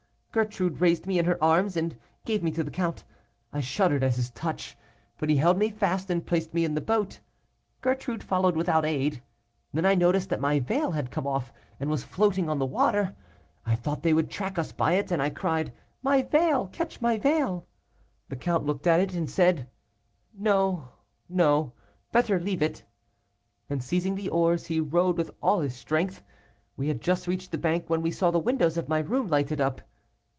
Gertrude raised me in her arms and gave me to the count. I shuddered at his touch, but he held me fast and placed me in the boat. Gertrude followed without aid. Then I noticed that my veil had come off, and was floating on the water. I thought they would track us by it, and I cried, 'My veil; catch my veil.' The count looked at it and said, 'No, no, better leave it.' And seizing the oars, he rowed with all his strength. We had just reached the bank when we saw the windows of my room lighted up.